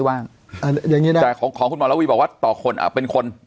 แต่ของคุณหมอเราวิบอุบัชต่อคนอ่ะเป็นคน